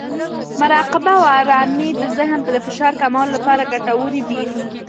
مراقبه او ارامۍ د ذهن د فشار کمولو لپاره ګټورې دي.